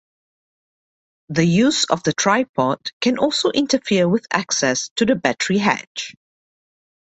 The use of the tripod can also interfere with access to the battery hatch.